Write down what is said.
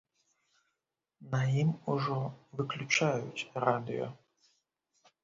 На ім ужо выключаюць радыё.